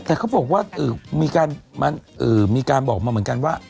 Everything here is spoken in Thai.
แต่เขาบอกว่ามีการบอกมาเหมือนกันว่า